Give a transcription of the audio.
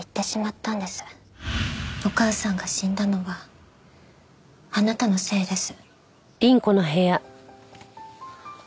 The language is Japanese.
お母さんが死んだのはあなたのせいです。